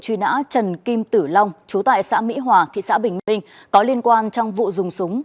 truy nã trần kim tử long chú tại xã mỹ hòa thị xã bình minh có liên quan trong vụ dùng súng